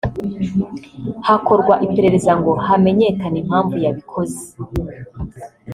hakorwa iperereza ngo hamenyekanye impamvu yabikoze